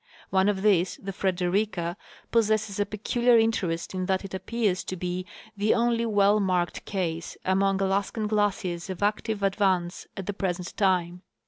One of these, the Frederika, possesses a peculiar interest in that it appears to be the only well marked case among Alaskan glaciers of active advance at the present time.